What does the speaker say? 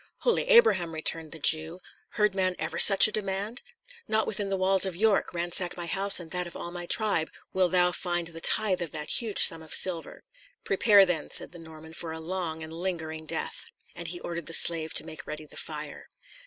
"Holy Abraham!" returned the Jew, "heard man ever such a demand? Not within the walls of York, ransack my house and that of all my tribe, wilt thou find the tithe of that huge sum of silver." "Prepare, then," said the Norman, "for a long and lingering death." And he ordered the slave to make ready the fire.